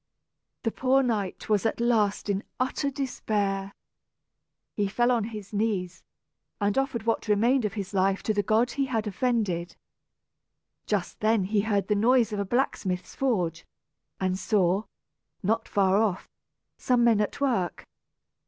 The poor knight was at last in utter despair. He fell on his knees, and offered what remained of his life to the God he had offended. Just then he heard the noise of a blacksmith's forge, and saw, not far off, some men at work.